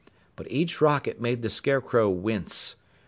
But each rocket made the Scarecrow wince.